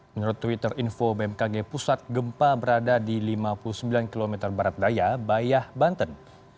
menurut twitter info bmkg pusat gempa berada di lima puluh sembilan km barat daya bayah banten